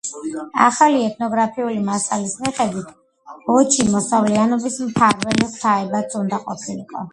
ახალი ეთნოგრაფიული მასალის მიხედვით, ბოჩი მოსავლიანობის მფარველი ღვთაებაც უნდა ყოფილიყო.